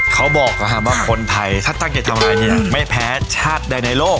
เขาบอกว่าคนไทยถ้าจังเกตทำอะไรไม่แพ้ชาติในโลก